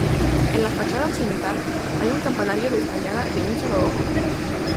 En la fachada occidental hay un campanario de espadaña de un solo ojo.